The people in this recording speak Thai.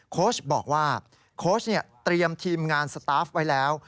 โค้ชบอกว่าโค้ชเตรียมทีมงานสตาฟไว้แล้ว